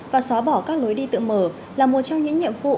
và xóa bỏ các lối đi tự mở là một trong những nhiệm vụ